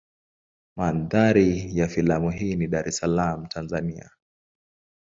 Mandhari ya filamu hii ni Dar es Salaam Tanzania.